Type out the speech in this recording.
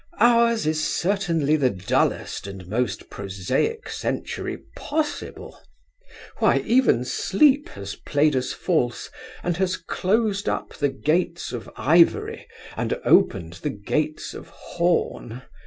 Ours is certainly the dullest and most prosaic century possible. Why, even Sleep has played us false, and has closed up the gates of ivory, and opened the gates of horn.